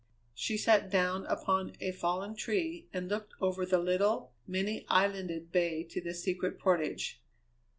She sat down upon a fallen tree and looked over the little, many islanded bay to the Secret Portage.